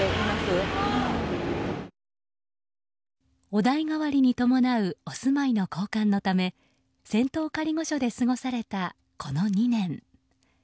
お代替わりに伴うお住まいの交換のため仙洞仮御所で過ごされたこの２年。